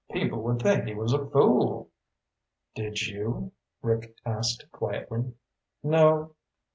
People would think he was a fool." "Did you?" Rick asked quietly. "Nope.